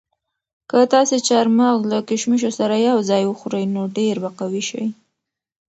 که تاسي چهارمغز له کشمشو سره یو ځای وخورئ نو ډېر به قوي شئ.